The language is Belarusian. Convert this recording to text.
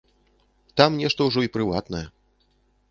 Там нешта ўжо і прыватнае.